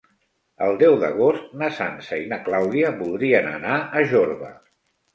El deu d'agost na Sança i na Clàudia voldrien anar a Jorba.